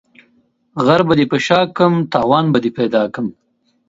غر به دي په شاکړم ، توان به دي پيدا کړم.